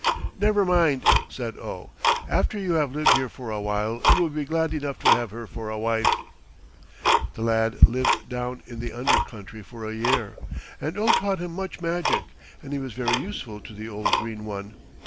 "Never mind," said Oh. "After you have lived here for a while you will be glad enough to have her for a wife." The lad lived down in the under country for a year, and Oh taught him much magic, and he was very useful to the old Green One.